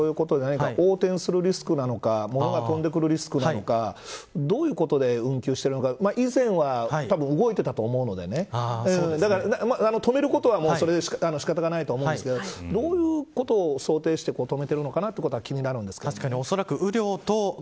例えば、それは風とかそういうことで横転するリスクなのか物が飛んでくるリスクなのかどういうことで運休してるのか以前はたぶん動いていたと思うのでだから止めることはそれで仕方がないと思うんですけどどういうことを想定して止めているのかなということが気になるんです。